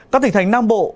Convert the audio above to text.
các tỉnh thành nam bộ